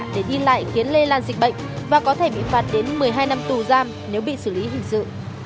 để đi lại khiến lây lan dịch bệnh và có thể bị phạt đến một mươi hai năm tù giam nếu bị xử lý hình sự